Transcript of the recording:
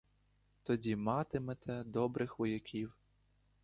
Тоді матимете добрих вояків.